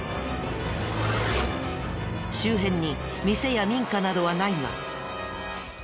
周辺に店や民家などはないが。